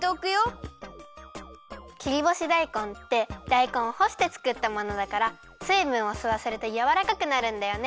切りぼしだいこんってだいこんをほしてつくったものだからすいぶんをすわせるとやわらかくなるんだよね。